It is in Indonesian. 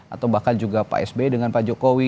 atau bahkan juga pak sby dengan pak jokowi